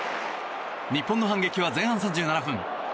日本の反撃は前半３７分。